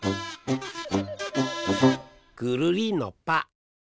ぐるりんのぱ！